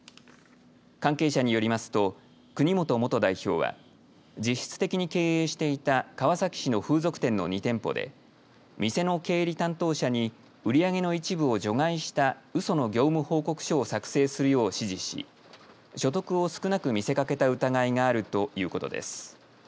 関係者によりますと国本元代表は実質的に経営していた川崎市の風俗店の２店舗で店の経理担当者に売り上げの一部を除外したうその業務報告書を作成するよう指示し所得を少なく見せかけた疑いがあるということです。